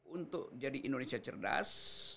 untuk jadi indonesia cerdas